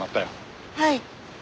はい。